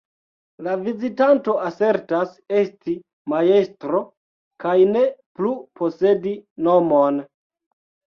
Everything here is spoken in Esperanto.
La vizitanto asertas esti "Majstro" kaj ne plu posedi nomon.